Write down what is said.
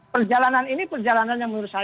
perjalanan ini perjalanan yang menurut saya